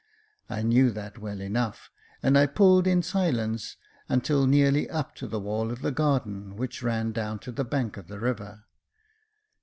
I knew that well enough, and I pulled in silence until nearly up to the wall of the garden which ran down to the bank of the river.